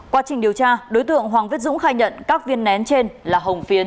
quá trình điều tra đối tượng hoàng viết dũng khai nhận các viên nén trên là hồng phiến